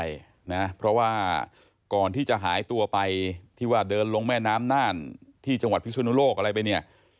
ใช่นะเพราะว่าก่อนที่จะหายตัวไปที่ว่าเดินลงแม่น้ำน่านที่จังหวัดพิสุนุโลกอะไรไปเนี่ย